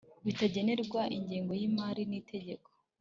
bitagenerwa ingengo y'imari n'itegeko